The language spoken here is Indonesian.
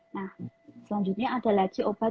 nah selanjutnya ada lagi obat